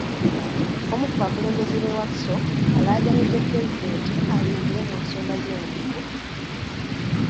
Omu ku bakulembeze b'e Wakiso alaajanidde Pulezidenti ayingire mu nsonga z'enguudo.